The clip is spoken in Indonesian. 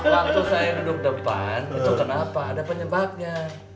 kalau saya yang duduk depan itu kenapa ada penyebabnya